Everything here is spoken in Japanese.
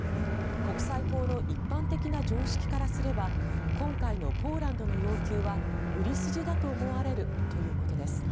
国際法の一般的な常識からすれば今回のポーランドの要求は無理筋だと思われるということです。